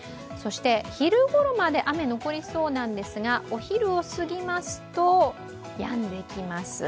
昼頃まで雨が残りそうですが、お昼を過ぎますとやんできます。